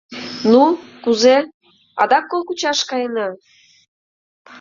— Ну, кузе, адак кол кучаш каена?